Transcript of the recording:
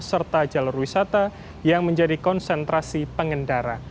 serta jalur wisata yang menjadi konsentrasi pengendara